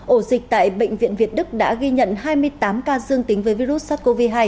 ổ dịch tại bệnh viện việt đức đã ghi nhận hai mươi tám ca dương tính với virus sars cov hai